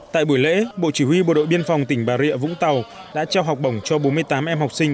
tại buổi lễ bộ chỉ huy bộ đội biên phòng tỉnh bà rịa vũng tàu đã trao học bổng cho bốn mươi tám em học sinh